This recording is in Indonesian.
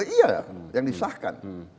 iya yang disahkan